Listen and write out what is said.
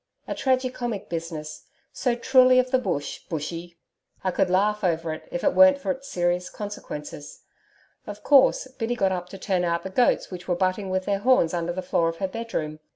A tragi comic business so truly of the Bush, Bushy! I could laugh over it, if it weren't for its serious consequences. Of course, Biddy got up to turn out the goats which were butting with their horns under the floor of her bedroom.